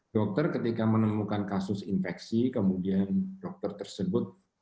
dokter ketika menemukan kasus infeksi kemudian dokter tersebut